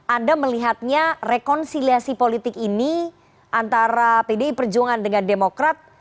anda melihatnya rekonsiliasi politik ini antara pdi perjuangan dengan demokrat